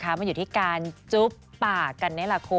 เราก็มองว่าเป็นเรื่องสนุกอะไรอย่างนี้ครับ